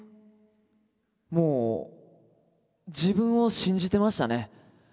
もう自分を信じてましたね。